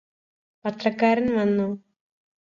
പത്രക്കാരൻ വന്നോ